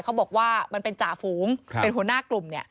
เขาบอกว่ามันเป็นจ่าฝูงเป็นหัวหน้ากลุ่มเนี่ย